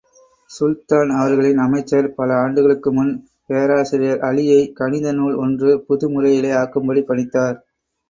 சுல்தான் அவர்களின் அமைச்சர், பல ஆண்டுகளுக்கு முன், பேராசிரியர் அலியை, கணிதநூல் ஒன்று, புது முறையிலே ஆக்கும்படி பணித்தார்.